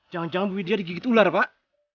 jangan jangan bu media digigit ular pak